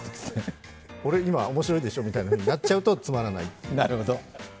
俺、今、面白いでしょ？ってなっちゃうと、つまらない。